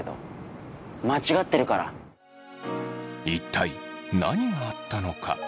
一体何があったのか。